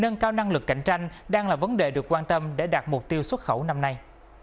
nâng cao năng lực cạnh tranh đang là vấn đề được quan tâm để đạt mục tiêu xuất khẩu năm nay